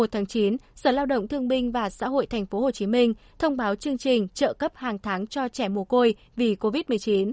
một mươi tháng chín sở lao động thương binh và xã hội tp hcm thông báo chương trình trợ cấp hàng tháng cho trẻ mồ côi vì covid một mươi chín